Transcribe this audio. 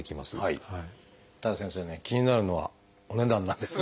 ただ先生ね気になるのはお値段なんですが。